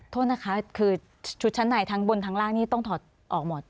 โทษนะคะคือชุดชั้นในทั้งบนทั้งล่างนี่ต้องถอดออกหมด